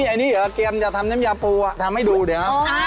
อันนี้เกลียมจะทำเน้มยาปูทำให้ดูเดี๋ยวครับ